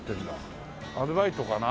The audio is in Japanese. アルバイトかな？